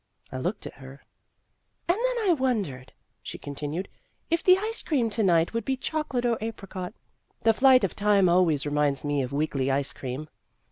I looked at her. "And then I wondered," she continued, " if the ice cream to night would be choco late or apricot. The flight of time always reminds me of weekly ice cream."